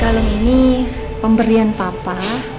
kalung ini pemberian papa